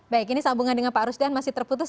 baik ini sambungan dengan pak rusdan masih terputus